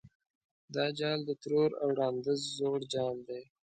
دا جال د ترور او ړانده زوړ جال دی.